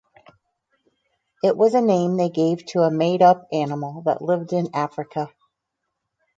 It was a name they gave to a made-up animal that lived in Africa.